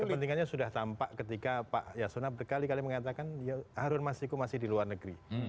kepentingannya sudah tampak ketika pak yasona berkali kali mengatakan ya harun masiku masih di luar negeri